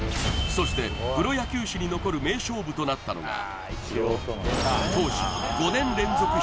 そしてプロ野球史に残る名勝負となったのが当時５年連続